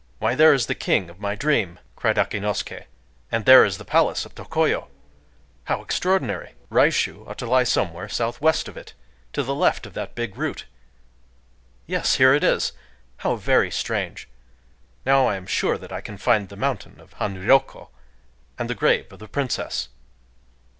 "Why, there is the King of my dream!" cried Akinosuké; "and there is the palace of Tokoyo!... How extraordinary!... Raishū ought to lie somewhere southwest of it—to the left of that big root... Yes!—here it is!... How very strange! Now I am sure that I can find the mountain of Hanryōkō, and the grave of the princess."...